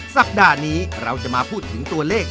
สัปดาห์นี้เราจะมาพูดถึงตัวเลข